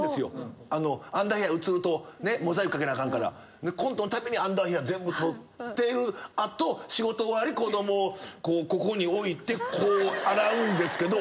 アンダーヘア映るとモザイクかけなあかんから。コントのたびにアンダーヘア全部剃ってる後仕事終わり子供をここに置いてこう洗うんですけど。